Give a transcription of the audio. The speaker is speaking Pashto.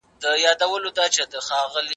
رېدي د خپلې مېرمنې زینب لیک ترلاسه کړ.